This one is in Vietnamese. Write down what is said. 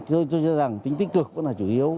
tôi cho rằng tính tích cực cũng là chủ yếu